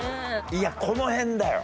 いやこの辺だよ。